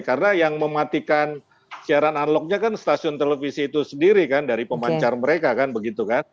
karena yang mematikan siaran analognya kan stasiun televisi itu sendiri kan dari pemancar mereka kan begitu kan